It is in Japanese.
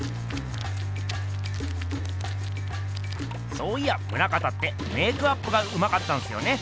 そういや棟方ってメークアップがうまかったんすよね。